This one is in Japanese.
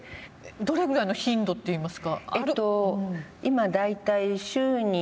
どれくらいの頻度といいますか。